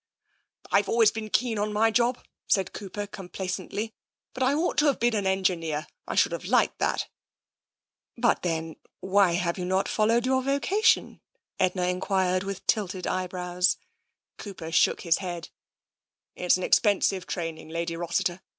''I've always been keen on my job," said Cooper complacently, " but I ought to have been an engineer. I should have liked that." " But then — why not have followed your voca tion? " Edna enquired, with tilted eyebrows. Cooper shook his head. " It's an expensive training. Lady Rossiter.